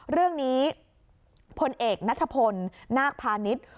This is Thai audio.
เรื่องนี้พลเอกนัทพลนาคพาณิชย์